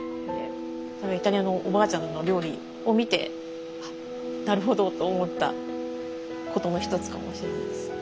イタリアのおばあちゃんの料理を見てなるほどと思ったことの一つかもしれないです。